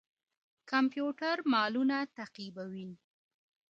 کمپيوټر مالونه تعقيبوي.